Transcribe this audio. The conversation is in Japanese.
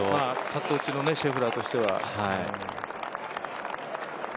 カット打ちのシェフラーとしては。